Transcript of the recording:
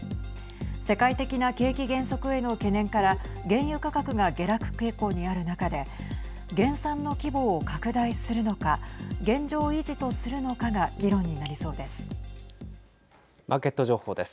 世界的な景気減速への懸念から原油価格が下落傾向にある中で減産の規模を拡大するのか現状維持とするのかが議論になりそうです。